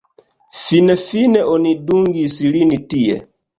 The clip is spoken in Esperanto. Finfine oni dungis lin tie.